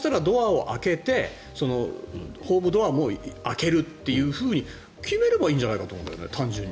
そしたらドアも開けてホームドアも開けるって決めればいいんじゃないかと思うんだよね。